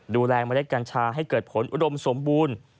เมล็ดกัญชาให้เกิดผลอุดมสมบูรณ์